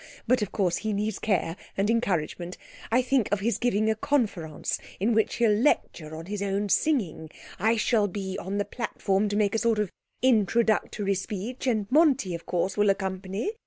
But of course, he needs care and encouragement. I think of his giving a Conférence, in which he'll lecture on his own singing. I shall be on the platform to make a sort of introductory speech and Monti, of course, will accompany.